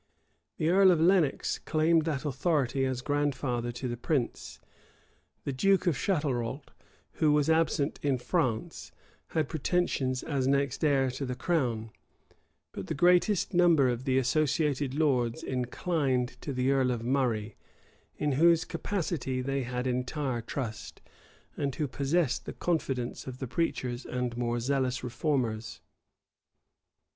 The earl of Lenox claimed that authority as grandfather to the prince: the duke of Chatelrault, who was absent in France, had pretensions as next heir to the crown: but the greatest number of the associated lords inclined to the earl of Murray, in whose capacity they had entire trust, and who possessed the confidence of the preachers and more zealous reformers.